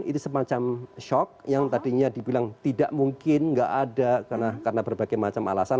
itu semacam shock yang tadinya dibilang tidak mungkin nggak ada karena berbagai macam alasan